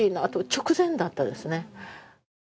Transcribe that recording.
直前だったですね。